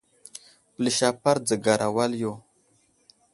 Pəlis apar dzəgar wal yo.